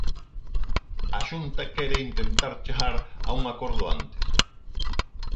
A Xunta quere intentar chegar a un acordo antes.